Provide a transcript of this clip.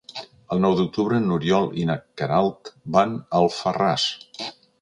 El nou d'octubre n'Oriol i na Queralt van a Alfarràs.